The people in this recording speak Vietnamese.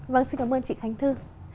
vâng xin cảm ơn chị khánh thư